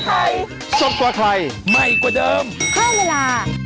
ไม่กว่าเดิมเพิ่มเวลา